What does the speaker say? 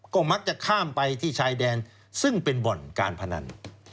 ก็มักจะข้ามไปที่ชายแดนซึ่งเป็นบ่อนการพนัน